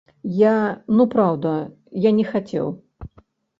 Я, ну, праўда, я не хацеў.